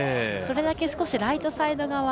それだけ少しライトサイド側